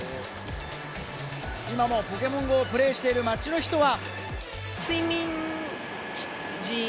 今もポケモンＧＯをプレーしている街の人たちは。